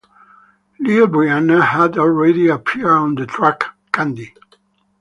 Lil Brianna had already appeared on the track Kandi.